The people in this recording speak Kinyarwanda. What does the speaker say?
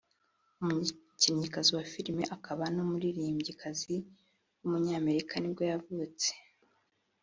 umukinnyikazi wa filime akaba n’umuririmbyikazi w’umunyamerika nibwo yavutse